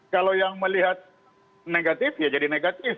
kalau yang melihat negatif ya jadi negatif